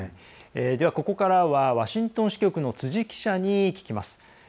ここからはワシントン支局の辻記者に聞きます。